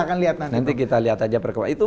akan lihat nanti kita lihat aja perkembangan itu